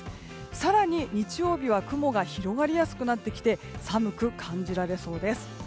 更に、日曜日は雲が広がりやすくなってきて寒く感じられそうです。